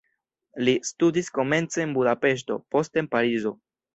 Li studis komence en Budapeŝto, poste en Parizo.